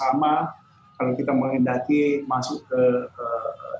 kalau kita menghendaki masuk ke kota kota yang lainnya ya kita harus berhubungan dengan masyarakat yang lainnya